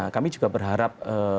kami juga berharap